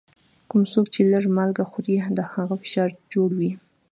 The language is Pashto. کوم څوک چي لږ مالګه خوري، د هغه فشار جوړ وي.